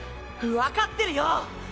わかってるよ！